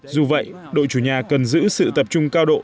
dù vậy đội chủ nhà cần giữ sự tập trung cao độ